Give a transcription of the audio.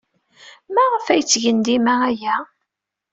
Maɣef ay ttgen dima aya?